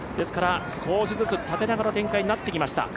少しずつ縦長の展開になってきました。